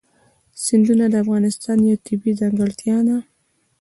سیندونه د افغانستان یوه طبیعي ځانګړتیا ده.